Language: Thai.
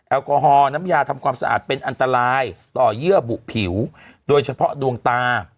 แอลกอฮอลน้ำยาทำความสะอาดเป็นอันตรายต่อเยื่อบุผิวโดยเฉพาะดวงตา